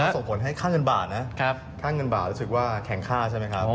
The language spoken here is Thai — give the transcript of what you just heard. ส่งผลให้ค่าเงินบาทนะค่าเงินบาทรู้สึกว่าแข็งค่าใช่ไหมครับ